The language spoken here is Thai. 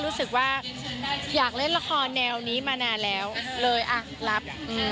เล่นละครแนวนี้มานานแล้วเลยอ่ะรับ